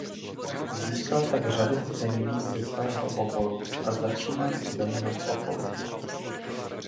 Získal tak řadu ocenění ze svého oboru a začínal se zajímat o politiku.